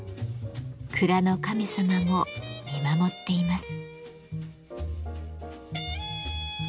蔵の神様も見守っています。